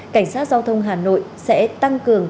cảnh sát giao thông hà nội sẽ tăng cường